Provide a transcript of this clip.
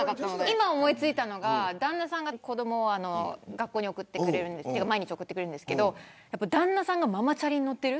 今、思い付いたのが旦那さんが子どもを学校に送ってくれるんですけど旦那さんがママチャリに乗っている。